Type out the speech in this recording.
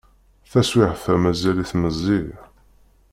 Taswiεt-a mazal-it meẓẓi.